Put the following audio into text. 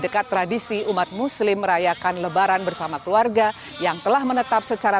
dekat tradisi umat muslim merayakan lebaran bersama keluarga yang telah menetap secara